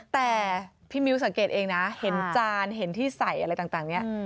แต่พี่มิ้วสังเกตเองนะเห็นจานเห็นที่ใส่อะไรต่างเนี่ย